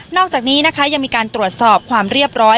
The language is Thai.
อกจากนี้นะคะยังมีการตรวจสอบความเรียบร้อย